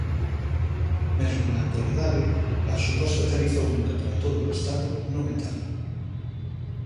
Mesmo na actualidade, a suposta tarifa única para todo o estado non é tal.